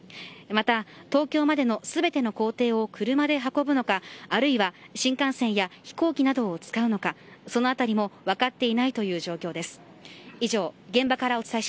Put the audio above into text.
また、東京までの全ての行程を車で運ぶのかあるいは新幹線や飛行機などを使うのかそのあたりも分かっていないという状況です。